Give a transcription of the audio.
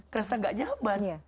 kerasa gak nyaman